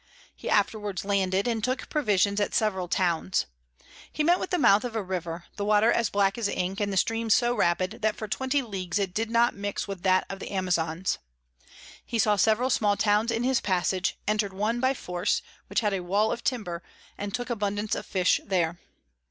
He afterwards landed, and took Provisions at several Towns. He met with the Mouth of a River, the Water as black as Ink, and the Stream so rapid, that for 20 Leagues it did not mix with that of the Amazons. He saw several small Towns in his Passage, enter'd one by force, which had a Wall of Timber, and took abundance of Fish there.